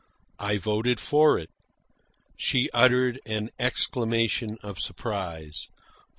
"I voted for it." She uttered an exclamation of surprise.